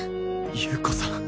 裕子さん。